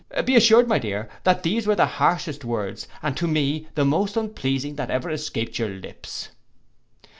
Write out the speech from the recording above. Be assured, my dear, that these were the harshest words, and to me the most unpleasing that ever escaped your lips!